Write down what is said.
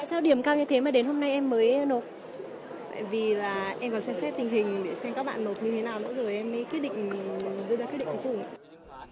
tại vì là em còn xem xét tình hình để xem các bạn nộp như thế nào nữa rồi em mới dựa ra quyết định cuối cùng